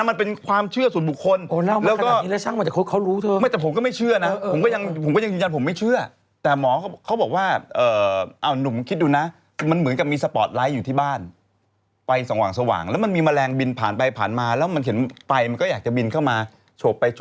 ก็ปรากฏว่าผมก็นั่งอยู่ในห้องทำงานแล้วมายูก็มาอยู่ข้างมานอนตัก